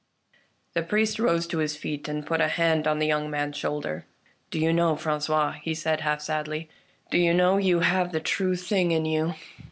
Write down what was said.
The priest rose to his feet and put a hand on the young man's shoulder. " Do you know, Frangois," he said, half sadly, " do you know, you have the true thing in you.